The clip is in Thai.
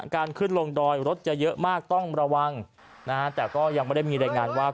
การขึ้นลงดอยรถจะเยอะมากต้องระวังนะฮะแต่ก็ยังไม่ได้มีรายงานว่า